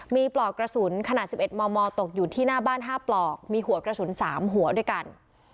มีปลอกกระสุนขนาด๑๑มมตกอยู่ที่หน้าบ้าน๕ปลอกมีหัวกระสุน๓หัวด้วยกัน